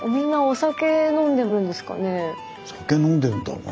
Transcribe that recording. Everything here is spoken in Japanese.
酒飲んでるんだろうな。